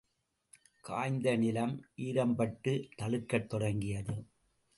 காய்ந்த நிலம் ஈரம் பட்டுத் தளிர்க்கத் தொடங்கியது.